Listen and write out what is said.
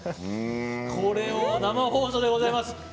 これは生放送でございます。